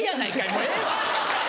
もうええわ！